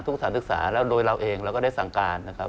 ทุกศาสตร์ศึกษาแล้วโดยเราเองเราก็ได้สั่งการ